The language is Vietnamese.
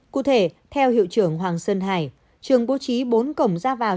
cụ thể theo hiệu trưởng hoàng sơn hải trường bố trí bốn cổng ra vào